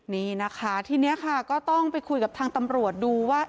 นี่นะคะทีนี้ค่ะก็ต้องไปคุยกับทางตำรวจดูว่า